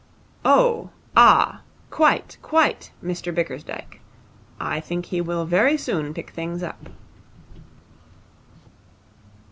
'Oh ah quite, quite, Mr Bickersdyke. I think he will very soon pick things up.'